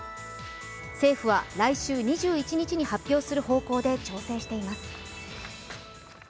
政府は来週２１日に発表する方向で調整しています。